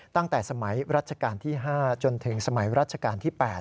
ตั้งแต่สมัยรัชกาลที่๕จนถึงสมัยรัชกาลที่๘